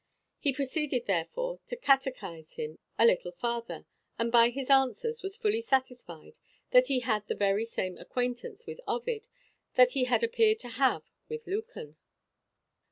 He proceeded, therefore, to catechise him a little farther; and by his answers was fully satisfied that he had the very same acquaintance with Ovid that he had appeared to have with Lucan.